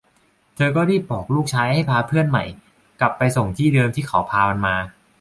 เธอก็รีบบอกลูกชายให้พาเพื่อนใหม่กลับไปส่งที่เดิมที่เขาพามันมา